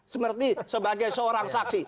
seperti sebagai seorang saksi